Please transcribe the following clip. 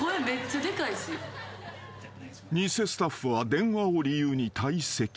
［偽スタッフは電話を理由に退席］